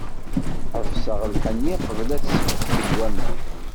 Ḥebseɣ lḥenni, qbel ad t-sbezgen waman.